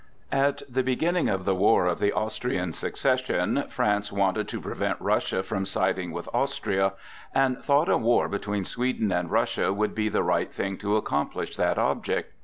At the beginning of the war of the Austrian succession, France wanted to prevent Russia from siding with Austria, and thought a war between Sweden and Russia would be the right thing to accomplish that object.